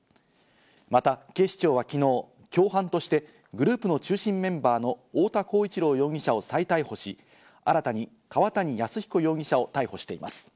また警視庁は昨日、共犯としてグループの中心メンバーの太田浩一朗容疑者を再逮捕し、新たに川谷泰彦容疑者を逮捕しています。